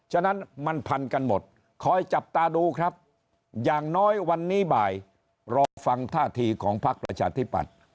ฉะนั้นมันพันกันหมดคอยจับตาดูครับอย่างน้อยวันนี้บ่ายรอฟังท่าทีของพักประชาธิปัตย์